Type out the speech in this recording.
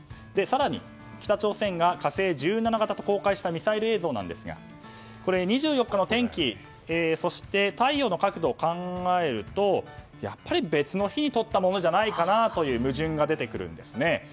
更に北朝鮮が「火星１７」型と公開したミサイル映像なんですが２４日の天気そして、太陽の角度を考えるとやっぱり別の日に撮ったものじゃないかなという矛盾が出てきます。